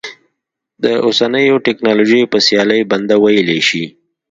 د اوسنیو ټکنالوژیو په سیالۍ بنده ویلی شي.